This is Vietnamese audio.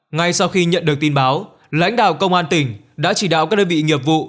ngay sau khi nhận được tin báo lãnh đạo công an tỉnh đã chỉ đạo các đơn vị nghiệp vụ